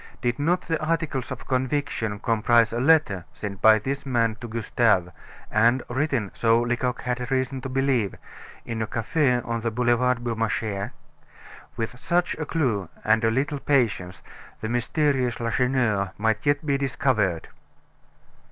Did not the "articles of conviction" comprise a letter sent by this man to Gustave, and written, so Lecoq had reason to believe, in a cafe on the Boulevard Beaumarchais? With such a clue and a little patience, the mysterious Lacheneur might yet be discovered.